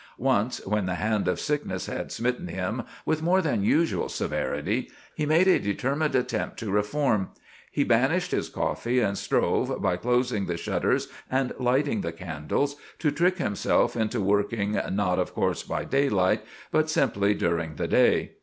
Once, when the hand of sickness had smitten him with more than usual severity, he made a determined attempt to reform. He banished his coffee, and strove, by closing the shutters and lighting the candles, to trick himself into working, not of course by daylight, but simply during the day.